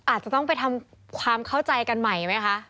อาจจะต้องไปทำความเข้าใจกันใหม่ไหมคะ